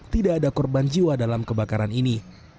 tidak ada korban jiwa dalam kebakaran ini